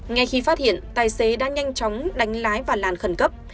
ngay khi phát hiện tài xế đã nhanh chóng đánh lái và làn khẩn cấp